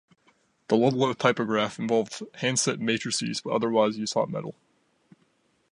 The Ludlow Typograph involved hand-set matrices, but otherwise used hot metal.